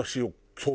そう。